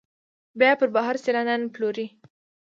بیا یې پر بهر سیلانیانو پلوري.